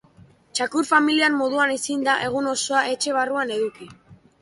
Txakur familiar moduan ezin da egun osoan etxe barruan eduki.